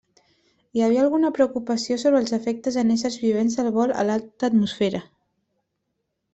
Hi havia alguna preocupació sobre els efectes en éssers vivents del vol a l'alta atmosfera.